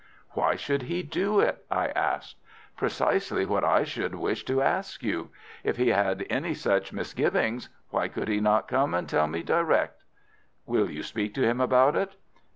"Why should he do it?" I asked. "Precisely what I should wish to ask you. If he had any such misgivings, why could he not come and tell me direct?" "Will you speak to him about it?"